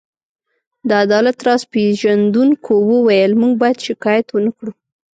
د عدالت راز پيژندونکو وویل: موږ باید شکایت ونه کړو.